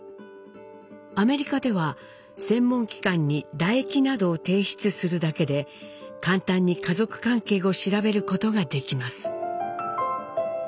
アメリカでは専門機関に唾液などを提出するだけで簡単に家族関係を調べることができます。